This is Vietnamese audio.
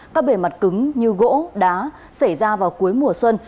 các bề mặt cứng như gỗ đá xảy ra vào cuối mùa xuân